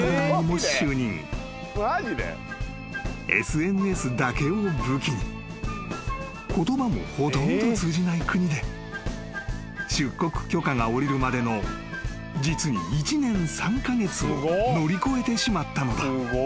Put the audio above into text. ［ＳＮＳだけを武器に言葉もほとんど通じない国で出国許可が下りるまでの実に１年３カ月を乗り越えてしまったのだ］